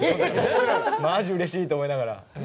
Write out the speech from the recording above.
マジうれしいと思いながら。